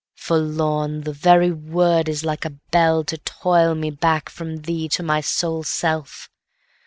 8.Forlorn! the very word is like a bellTo toil me back from thee to my sole self!